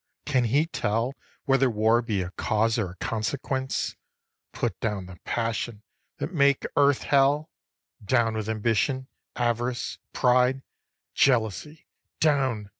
can he tell Whether war be a cause or a consequence? Put down the passions that make earth Hell! Down with ambition, avarice, pride, Jealousy, down!